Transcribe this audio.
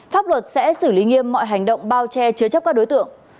pháp luật sẽ xử lý nghiêm mọi hành động bao che chứa chấp các đối tượng